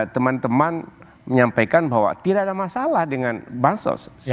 teman teman menyampaikan bahwa tidak ada masalah dengan bansos